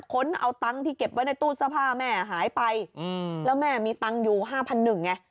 ค้นเอาตังค์ที่เก็บไว้ในตู้เสื้อผ้าแม่หายไปแล้วแม่มีตังค์อยู่ห้าพันหนึ่งไง